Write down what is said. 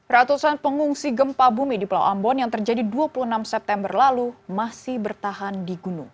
ratusan pengungsi gempa bumi di pulau ambon yang terjadi dua puluh enam september lalu masih bertahan di gunung